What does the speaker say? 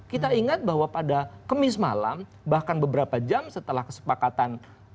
kita ingat bahwa pada kemis malam bahkan beberapa jam setelah kesepakatan